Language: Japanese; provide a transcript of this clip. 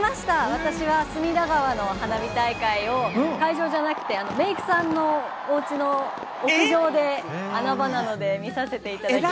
私は隅田川の花火大会を会場じゃなくてメークさんのおうちの屋上で、穴場なので見させていただきました。